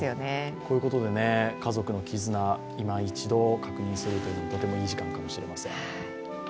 こういうことで家族の絆、いま一度確認するという、とてもいい時間かもしれません。